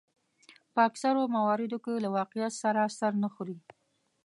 په اکثرو مواردو کې له واقعیت سره سر نه خوري.